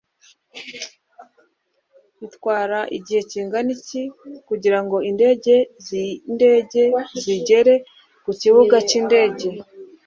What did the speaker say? bitwara igihe kingana iki kugirango ingendo zindege zigere kukibuga cyindege